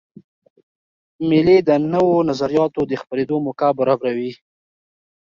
مېلې د نوو نظریاتو د خپرېدو موقع برابروي.